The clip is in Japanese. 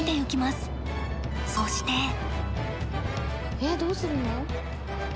えっどうするの？